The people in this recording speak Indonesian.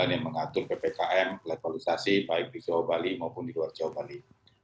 yang mengatur ppkm levelisasi baik di jawa bali maupun di luar jawa bali